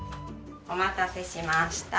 お待たせしました。